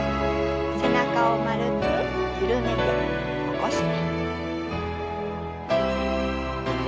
背中を丸く緩めて起こして。